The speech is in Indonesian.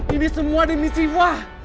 ini semua demisiwa